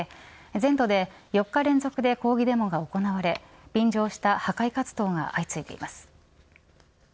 全土で４日連続で抗議デモが行われ便乗した破壊活動が相次いでいます。